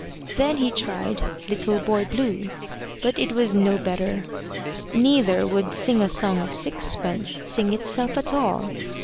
Then he tried `Little Boy Blue', but it was no better. Neither would `Sing a Song of Sixpence' sing itself at all.